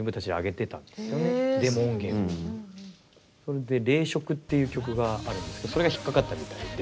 それで「零色」っていう曲があるんですけどそれが引っ掛かったみたいで。